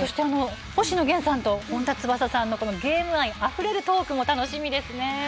そして星野源さんと本田翼さんのゲーム愛あふれるトークも楽しみですね。